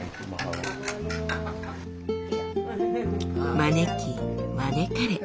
招き招かれ。